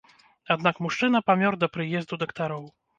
Аднак мужчына памёр да прыезду дактароў.